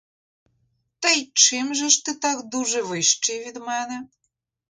Та й чим же ж ти так дуже вищий від мене?